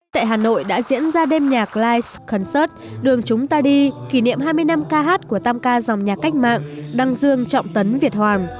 tại hà nội đã diễn ra đêm nhạc clife concert đường chúng ta đi kỷ niệm hai mươi năm ca hát của tam ca dòng nhạc cách mạng đăng dương trọng tấn việt hoàng